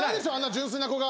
純粋な子が。